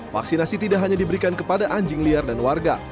vaksinasi tidak hanya diberikan kepada anjing liar dan warga